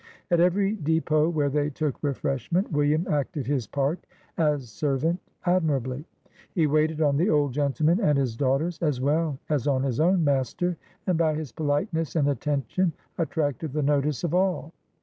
At every depot where they took refreshment, "William acted his part as servant admirably. He waited on the old gen tleman and his daughters, as well as on his own master, and by his politeness and attention attracted the notice of all.